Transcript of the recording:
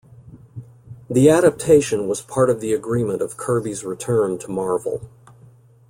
The adaptation was part of the agreement of Kirby's return to Marvel.